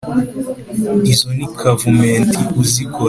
Izo ni Kavumenti uzikora